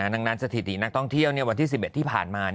ดังนั้นสถิตินักท่องเที่ยววันที่๑๑ที่ผ่านมา